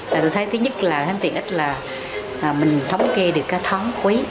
tôi thấy thứ nhất là tiện ích là mình thống kê được các thóng quý